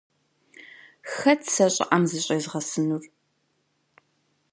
Хэт сэ щӀыӀэм зыщӀезгъэсынур?